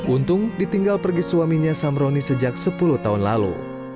untung ditinggal pergi suaminya samroni sejak sepuluh tahun lalu